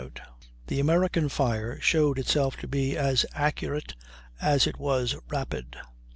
15] "The American fire showed itself to be as accurate as it was rapid.